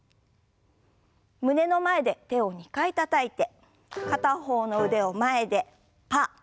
胸の前で手を２回たたいて片方の腕を前でパー。